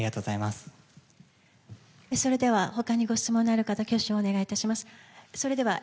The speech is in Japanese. それでは、他にご質問のある方挙手をお願いします。